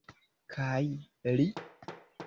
Kaj li?